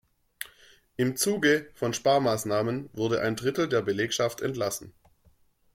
Im Zuge von Sparmaßnahmen wurde ein Drittel der Belegschaft entlassen.